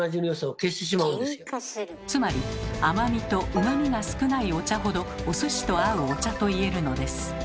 つまり甘みと旨味が少ないお茶ほどお寿司と合うお茶といえるのです。